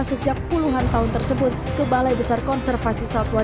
dan dipelihara sejak puluhan tahun tersebut ke balai besar konservasi satwa